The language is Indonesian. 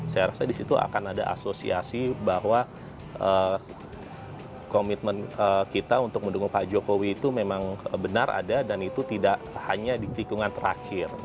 saya rasa disitu akan ada asosiasi bahwa komitmen kita untuk mendukung pak jokowi itu memang benar ada dan itu tidak hanya di tikungan terakhir